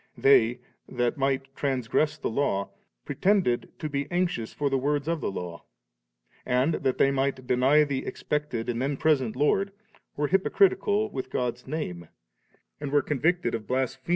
They, that they might transgress the Law, pretended to be anxious for the words of the Law, and that they might deny the expected and then present Lord, were hypo critical with God's name, and were convicted 8 dSr5>M.